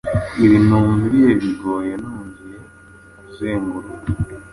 Ibi numvie, bigoye Nongeye kuzenguruka